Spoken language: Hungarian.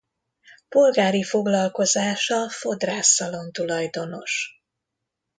Polgári foglalkozása fodrász-szalon tulajdonos.